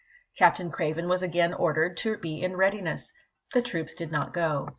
Captain Craven was again ordered to be in readiness ; the troops did not go.